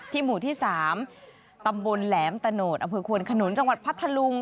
ที่หมู่ที่๓ตำบลแหลมตะโนธอคนนจังหวัดพัทธลุง